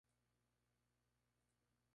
El rendimiento es bajo.